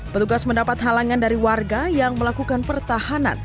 petugas mendapat halangan dari warga yang melakukan pertahanan